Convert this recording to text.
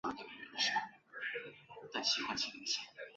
科梅尔西站门口设有社会车辆停车场。